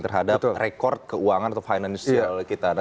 terhadap rekod keuangan atau financial kita